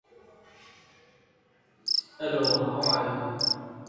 Methodism, was the main form of religious practice for the Cornish.